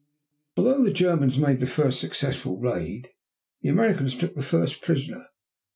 Although the Germans made the first successful raid, the Americans took the first prisoner.